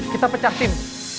kita pecah tim